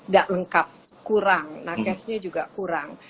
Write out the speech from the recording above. tak lengkap kurang nages nya juga kurang